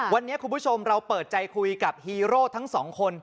วันนี้คุณผู้ชมเราเปิดใจคุยกับฮีโร่ทั้งสองคน